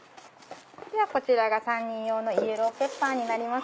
ではこちらが３人用のイエローペッパーになります。